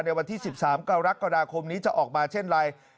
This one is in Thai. ในวันที่๑๓กรกฎาคมนี้จะออกมาเช่นไร